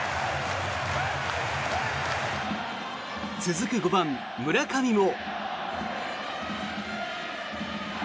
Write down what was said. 続く５番、村上も。